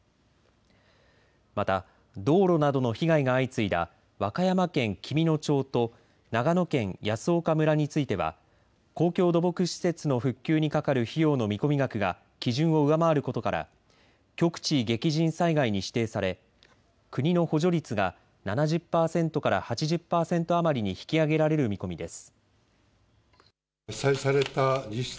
また道路などの被害が相次いだ和歌山県紀美野町と長野県泰阜村については公共土木施設の復旧にかかる費用の見込み額が基準を上回ることから局地激甚災害に指定され国の補助率が７０％から８０％余りに引き上げられる見込みです。